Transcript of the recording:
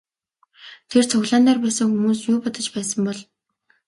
Тэр цуглаан дээр байсан хүмүүс юу бодож байсан бол?